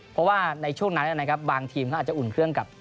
เพราะว่าในช่วงนั้นนะครับบางทีมเขาอาจจะอุ่นเครื่องกับ